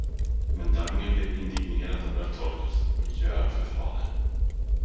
Men Dagny blev indignerad över att Torkel stod och ljög för fadern.